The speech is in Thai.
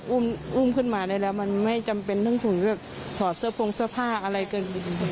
อุ้มขึ้นมาได้แล้วมันไม่จำเป็นต้องถึงจะถอดเสื้อโพงเสื้อผ้าอะไรกัน